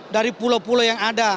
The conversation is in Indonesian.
dari pulau pulau yang ada